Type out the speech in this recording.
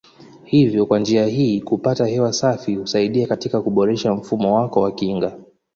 Hivyo kwa njia hii kupata hewa safi husaidia katika kuboresha mfumo wako wa kinga.